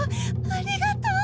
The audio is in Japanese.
ありがとう。